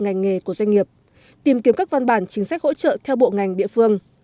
ngành nghề của doanh nghiệp tìm kiếm các văn bản chính sách hỗ trợ theo bộ ngành địa phương